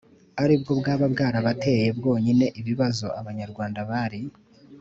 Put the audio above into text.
ari bwo bwaba bwarateye bwonyine ibibazo Abanyarwanda bari